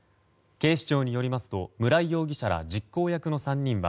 警視庁によりますと村井容疑者ら実行役の３人は